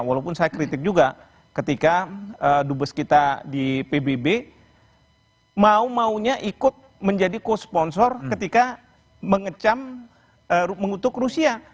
walaupun saya kritik juga ketika dubes kita di pbb mau maunya ikut menjadi co sponsor ketika mengutuk rusia